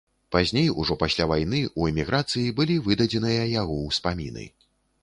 Пазней, ужо пасля вайны, у эміграцыі былі выдадзеныя яго ўспаміны.